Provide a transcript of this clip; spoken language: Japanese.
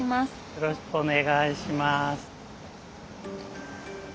よろしくお願いします。